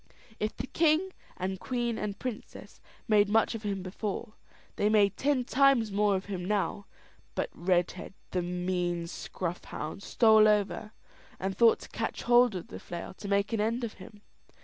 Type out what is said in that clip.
If the king, and queen, and princess, made much of him before, they made ten times more of him now; but Redhead, the mean scruff hound, stole over, and thought to catch hold of the flail to make an end of him.